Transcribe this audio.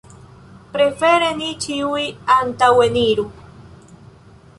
Prefere ni ĉiuj antaŭeniru.